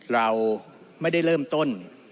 เราไม่ได้เริ่มต้น